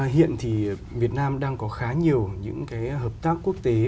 hiện thì việt nam đang có khá nhiều những cái hợp tác quốc tế